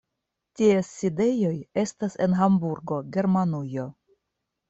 Ties sidejoj estas en Hamburgo, Germanujo.